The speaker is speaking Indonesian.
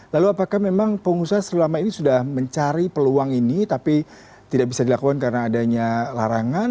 lalu apakah memang pengusaha selama ini sudah mencari peluang ini tapi tidak bisa dilakukan karena adanya larangan